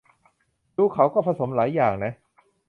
ดูเขาก็ผสมหลายอย่างนะ